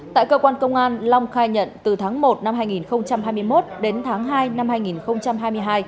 tại cơ quan công an long khai nhận từ tháng một năm hai nghìn hai mươi một đến tháng hai năm hai nghìn hai mươi hai